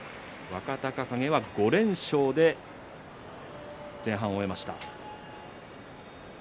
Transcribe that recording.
若隆景は５連勝で前半を終えました。